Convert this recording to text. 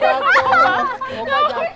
ya ampun maaf